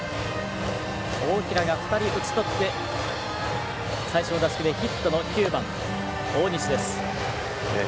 大平が２人打ちとって最初の打席でヒットの９番大西です。